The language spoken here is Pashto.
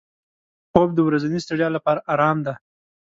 خوب د ورځني ستړیا لپاره آرام دی